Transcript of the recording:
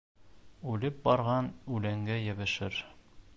Үлеп барған үләнгә йәбешер.